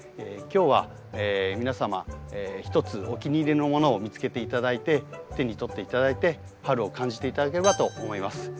今日は皆様ひとつお気に入りのものを見つけて頂いて手に取って頂いて春を感じて頂ければと思います。